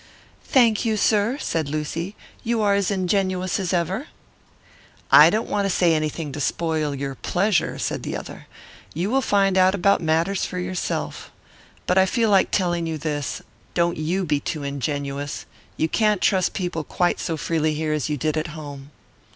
"Thank you, sir," said Lucy. "You are as ingenuous as ever!" "I don't want to say anything to spoil your pleasure," said the other. "You will find out about matters for yourself. But I feel like telling you this don't you be too ingenuous. You can't trust people quite so freely here as you did at home."